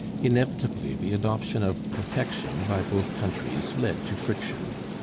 Inevitably the adoption of protection by both countries led to friction.